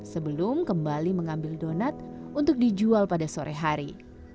sebelum kembali mengambil donat untuk dijual pada sore hari